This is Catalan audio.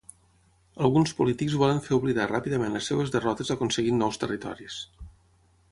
Alguns polítics volen fer oblidar ràpidament les seves derrotes aconseguint nous territoris.